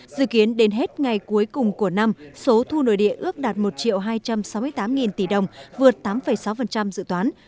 dự kiến đến hết ngày cuối cùng của năm số thu nội địa ước đạt một hai trăm sáu mươi tám tỷ đồng vượt tám sáu dự toán